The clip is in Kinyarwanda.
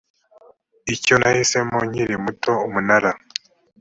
icyo nahisemo nkiri muto umunara